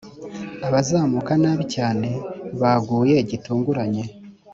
abazamuka nabi cyane baguye gitunguranye.